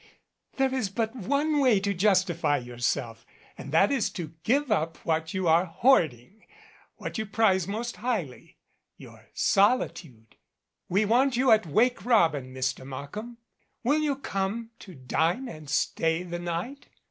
There is but one way to justify yourself, and that is to give up what you are hoarding what you prize most highly your solitude. We want you at "Wake Robin," Mr. Mark ham. Will you come to dine and stay the night?